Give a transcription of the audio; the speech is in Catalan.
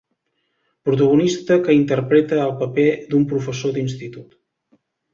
Protagonista que interpreta el paper d'un professor d'Institut.